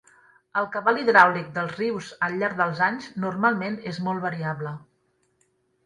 El cabal hidràulic dels rius al llarg dels anys normalment és molt variable.